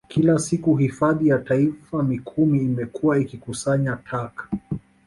Kila siku Hifadhi ya Taifa Mikumi imekuwa ikikusanya taka